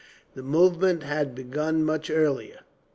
The movement had begun much earlier.